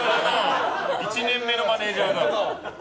１年目のマネジャーだよ。